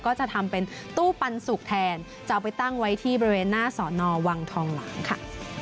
ก็จะทำเป็นตู้ปันสุกแทนจะเอาไปตั้งไว้ที่บริเวณหน้าสอนอวังทองหลังค่ะ